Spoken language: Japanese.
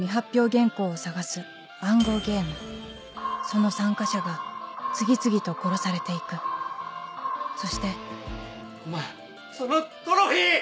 原稿を探す暗号ゲームその参加者が次々と殺されて行くそしてお前そのトロフィー！